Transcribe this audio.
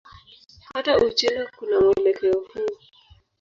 Hata Uchina kuna mwelekeo huu.